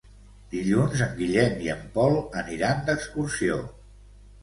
Dilluns en Guillem i en Pol aniran d'excursió.